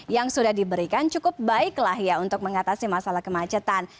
yang sudah diberikan cukup baiklah ya untuk mengatasi masalah kemacetan